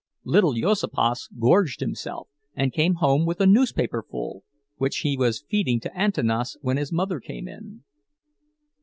Little Juozapas gorged himself, and came home with a newspaper full, which he was feeding to Antanas when his mother came in.